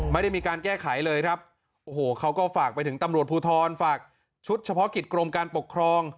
ไม่ได้มีการแก้ไขเลยครับโอ้โหเขาก็ฝากไปถึงตำรวจภูทรฝากชุดเฉพาะกิจกรมการปกครอง